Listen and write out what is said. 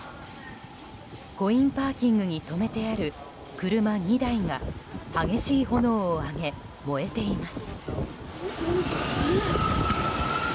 コインパーキングに止めてある車２台が激しい炎を上げ燃えています。